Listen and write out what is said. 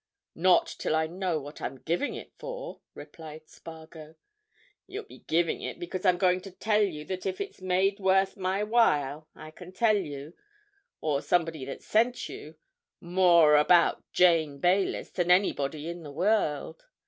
"Not till I know what I'm giving it for," replied Spargo. "You'll be giving it because I'm going to tell you that if it's made worth my while I can tell you, or somebody that sent you, more about Jane Baylis than anybody in the world.